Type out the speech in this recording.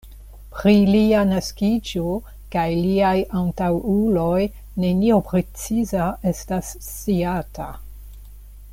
Pri lia naskiĝo kaj liaj antaŭuloj nenio preciza estas sciata.